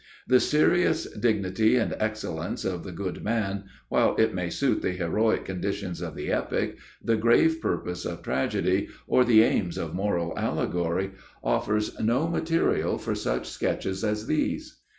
The serious dignity and excellence of the good man, while it may suit the heroic conditions of the epic, the grave purpose of tragedy, or the aims of moral allegory, offers no material for such sketches as these.